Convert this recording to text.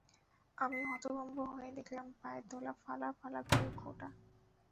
আমি হতভম্ব হয়ে দেখলাম, পায়ের তলা ফালা-ফালা করে কোটা!